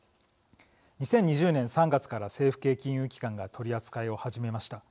２０２０年３月から政府系金融機関が取り扱いを始めました。